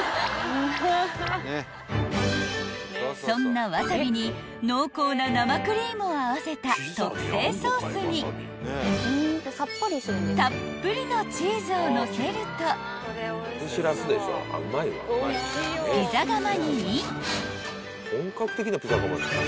［そんなわさびに濃厚な生クリームを合わせた特製ソースにたっぷりのチーズをのせるとピザ窯にイン］